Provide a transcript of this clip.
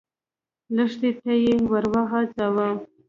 لښتي ته يې ور وغځاوه.